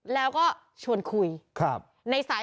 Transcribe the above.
แล้วก็ชวนคุย